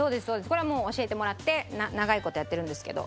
これはもう教えてもらって長い事やってるんですけど。